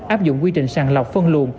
áp dụng quy trình sàng lọc phân luồn